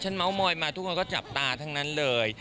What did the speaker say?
เมาส์มอยมาทุกคนก็จับตาทั้งนั้นเลย